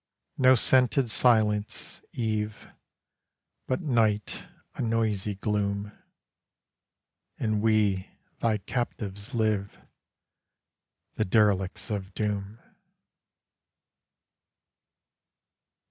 No scented silence, eve, But night a noisy gloom; And we thy captives live, The derelicts of doom.